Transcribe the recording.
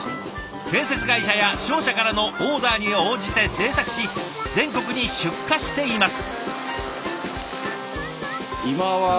建設会社や商社からのオーダーに応じて製作し全国に出荷しています。